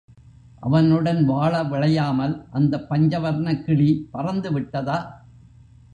அவனுடன் வாழ விழையாமல் அந்தப் பஞ்சவர்ணக் கிளி பறந்துவிட்டதா?